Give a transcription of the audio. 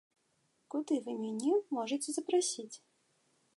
Куды вы мяне можаце запрасіць?